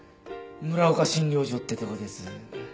村岡診療所ってとこです。